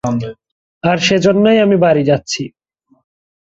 আর সেজন্যই আমি বাড়ি যাচ্ছি।